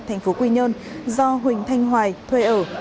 thành phố quy nhơn do huỳnh thanh hoài thuê ở